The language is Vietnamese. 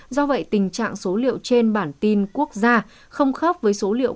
do vậy tình trạng số liệu trên bản tin quốc gia không khác với số liệu